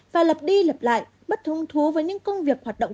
và lập đi lập lại bất thung thú với những công việc hoạt động